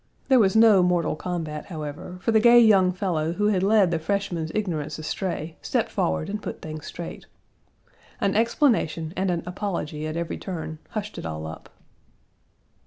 There was no mortal combat, however, for the gay young fellow who had led the freshman's ignorance astray stepped forward and put things straight. An explanation and an apology at every turn hushed it all up.